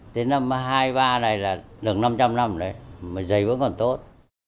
tới năm hai mươi ba này là được năm trăm linh năm rồi mà giấy vẫn còn tốt